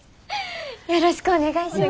よろしくお願いします。